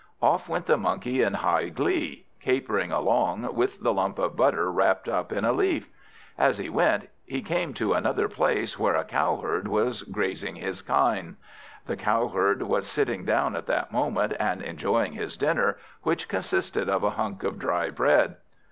Off went the Monkey in high glee, capering along with the lump of butter wrapped up in a leaf. As he went, he came to another place, where a Cowherd was grazing his kine. The Cowherd was sitting down at that moment, and enjoying his dinner, which consisted of a hunk of dry bread.